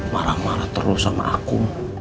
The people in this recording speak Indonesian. marah marah terus sama aku